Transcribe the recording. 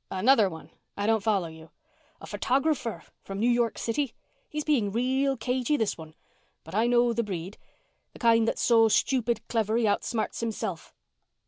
"Another one? I don't follow you." "A photographer from New York City. He's being real cagey, this one, but I know the breed. The kind that's so stupid clever he outsmarts himself."